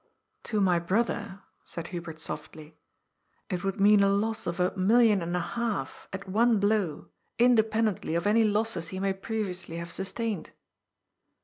" To my brother," said Hubert softly, " it would mean a loss of a million and a half, at one blow, independently of any losses he may previously have sustained."